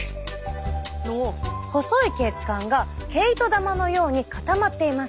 細い血管が毛糸玉のように固まっています。